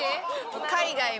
海外も。